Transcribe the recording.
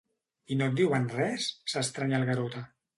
I no et diuen res? —s'estranya el Garota.